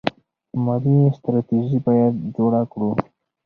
مالي ستراتیژي باید جوړه کړو.